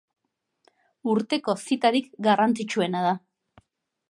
Urteko zitarik garrantzitsuena da.